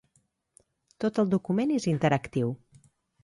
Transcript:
Tot el document és interactiu.